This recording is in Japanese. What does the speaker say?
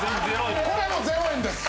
これも０円です。